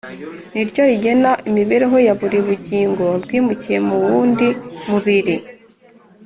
ni ryo rigena imibereho ya buri bugingo bwimukiye mu wundi mubiri